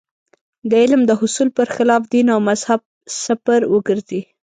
د علم د حصول پر خلاف دین او مذهب سپر وګرځي.